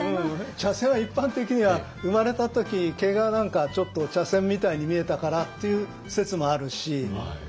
「茶筅」は一般的には生まれた時毛がちょっと茶筅みたいに見えたからっていう説もあるし。